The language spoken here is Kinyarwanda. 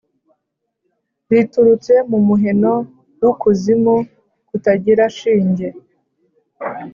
riturutse mu muheno w’Ukuzimu kutagira shinge,